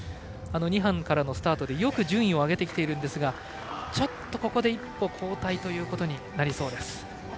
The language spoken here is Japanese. ２班からのスタートでよく順位を上げてきていますがここで一歩後退となりそうです。